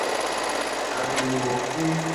Amiwope.